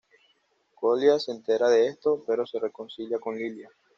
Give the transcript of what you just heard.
Kolya se entera de esto, pero se reconcilia con Lilia.